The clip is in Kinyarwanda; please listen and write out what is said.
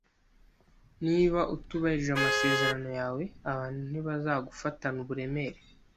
Niba utubahirije amasezerano yawe, abantu ntibazagufatana uburemere.